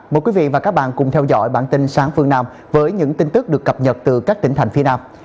mời quý vị và các bạn cùng theo dõi bản tin sáng phương nam với những tin tức được cập nhật từ các tỉnh thành phía nam